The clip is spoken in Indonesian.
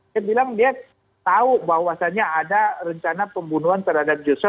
dia bilang dia tahu bahwasannya ada rencana pembunuhan terhadap joshua